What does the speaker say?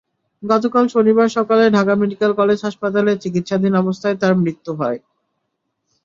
গতকাল শনিবার সকালে ঢাকা মেডিকেল কলেজ হাসপাতালে চিকিৎসাধীন অবস্থায় তাঁর মৃত্যু হয়।